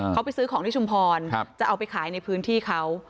เขาไปซื้อของที่ชุมพรจะเอาไปขายในพื้นที่เขา